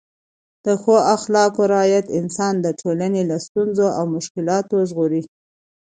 د ښو اخلاقو رعایت انسان د ټولنې له ستونزو او مشکلاتو ژغوري.